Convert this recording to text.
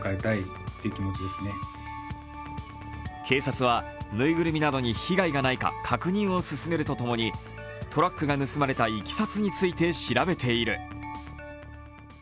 警察はぬいぐるみなどに被害がないか確認を進めるとともに、トラックが盗まれたいきさつについて調べている。